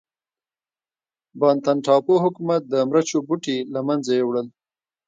بانتن ټاپو حکومت د مرچو بوټي له منځه یووړل.